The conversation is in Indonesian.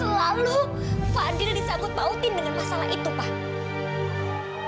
selalu fadil disanggut mautin dengan masalah itu pak